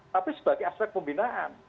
tapi sebagai aspek pembinaan